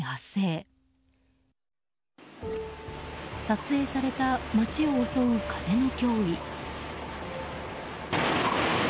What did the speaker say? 撮影された、街を襲う風の脅威。